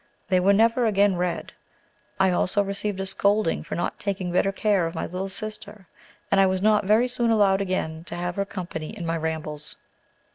They were never again red. I also received a scolding for not taking better care of my little sister, and I was not very soon allowed again to have her company in my rambles.